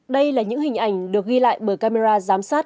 đây là những hình ảnh được ghi lại bởi camera giám sát